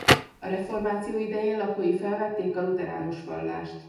A reformáció idején lakói felvették a lutheránus vallást.